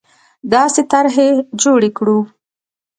داسې طرحې جوړې کړو